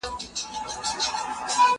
گامېښه د گل په بوی څه پوهېږي.